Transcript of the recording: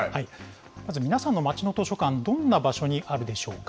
まず、皆さんの街の図書館、どんな場所にあるでしょうか。